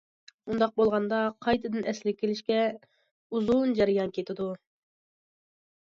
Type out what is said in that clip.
ئۇنداق بولغاندا قايتىدىن ئەسلىگە كېلىشكە ئۇزۇن جەريان كېتىدۇ.